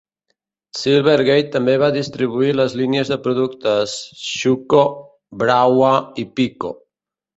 Silvergate també va distribuir les línies de productes Schuco, Brawa i Piko.